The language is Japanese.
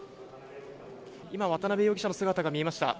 今、渡辺容疑者の姿が見えました。